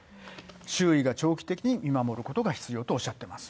周囲が長期的に見守ることが必要とおっしゃってます。